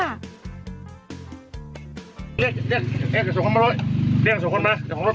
เรียกเดี๋ยวสองคนมารถ